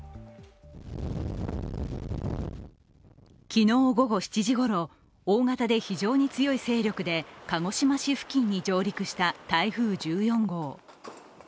昨日午後７時ごろ、大型で非常に強い勢力で鹿児島市付近に上陸した台風１４号。